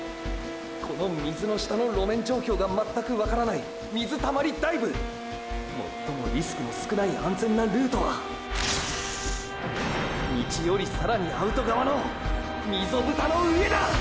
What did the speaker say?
この水の下の路面状況が全くわからない“水たまりダイブ”最もリスクの少ない安全なルートは道より更にアウト側の溝蓋の上だ！！